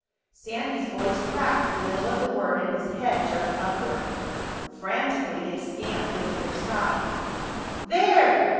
Sandy's voice cracked in the middle of the word and his head jerked upward. Frantically they scanned the clear sky. "There!"